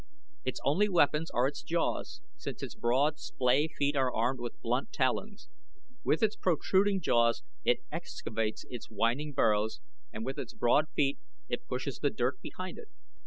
Its only weapons are its jaws since its broad, splay feet are armed with blunt talons. With its protruding jaws it excavates its winding burrows and with its broad feet it pushes the dirt behind it.